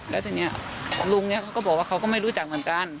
แล้วทีนี้ลุงเนี่ยเขาก็บอกว่าเขาก็ไม่รู้จักเหมือนกัน